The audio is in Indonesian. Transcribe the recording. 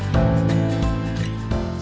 jangan rusak lingkungan kita